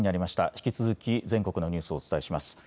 引き続き全国のニュースをお伝えします。